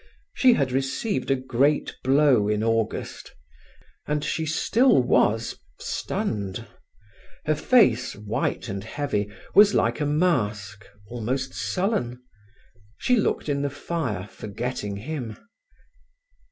She had received a great blow in August, and she still was stunned. Her face, white and heavy, was like a mask, almost sullen. She looked in the fire, forgetting him.